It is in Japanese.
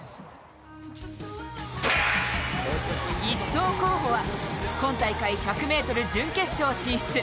１走候補は今大会１００ｍ準決勝進出。